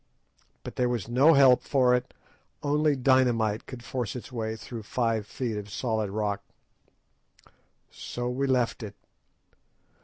But there was no help for it. Only dynamite could force its way through five feet of solid rock. So we left it.